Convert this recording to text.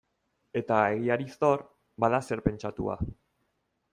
Eta egiari zor, bada zer pentsatua.